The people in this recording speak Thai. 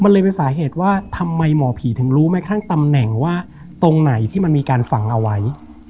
มันเลยเป็นสาเหตุว่าทำไมหมอผีถึงรู้ไหมข้างตำแหน่งว่าตรงไหนที่มันมีการฝังเอาไว้